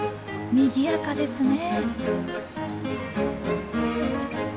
にぎやかですね。